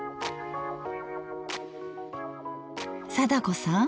貞子さん